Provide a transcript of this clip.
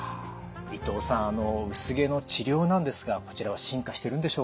伊藤さん薄毛の治療なんですがこちらは進化してるんでしょうか？